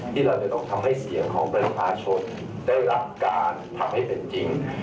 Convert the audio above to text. ที่เราจะต้องทำให้เสียงของประชาชนได้รับการทำให้เป็นจริง